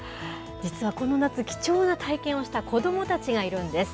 実はこの夏、貴重な体験をした子どもたちがいるんです。